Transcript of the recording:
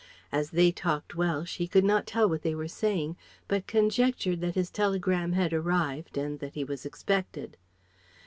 As they talked Welsh he could not tell what they were saying, but conjectured that his telegram had arrived and that he was expected.